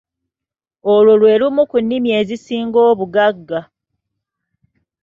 Olwo lwe lumu ki nnimi ezisinga obugagga.